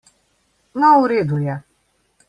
No, v redu je.